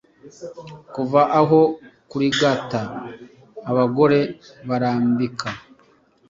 Kuva aho, kurigata Abagore barambika